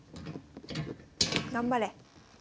頑張れ。